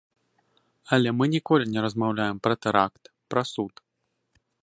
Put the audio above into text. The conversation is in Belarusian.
Але мы ніколі не размаўляем пра тэракт, пра суд.